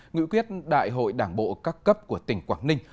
nghị quyết đại hội đảng bộ các cấp của tỉnh quảng ninh